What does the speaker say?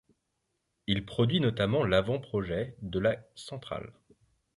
Il produit notamment l'avant projet de la centrale.